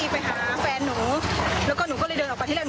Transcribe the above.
แล้วเขาก็ขึ้นกูมึงเขาก็บ่นของเขาแหละ